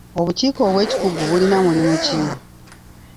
Obukiiko obw'ekikugu bulina mulimu ki?